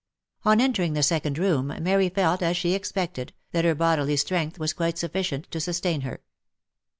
On entering the second room Mary felt, as she expected, that her bodily strength was quite sufficient to sustain her.